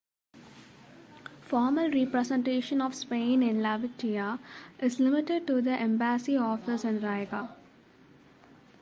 Formal representation of Spain in Latvia is limited to the embassy office in Riga.